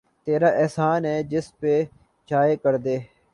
تیرا احسان ہے جس پر چاہے کردے